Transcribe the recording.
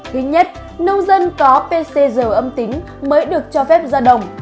thứ nhất nông dân có pcr âm tính mới được cho phép ra đồng